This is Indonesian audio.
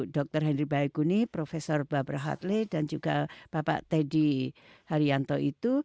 dr henry bae guni prof barbara hartley dan juga bapak teddy haryanto itu